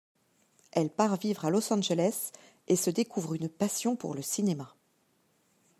Elle part vivre à Los Angeles et se découvre une passion pour le cinéma.